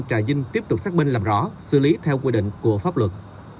trà vinh tiếp tục xác minh làm rõ xử lý theo quy định của pháp luật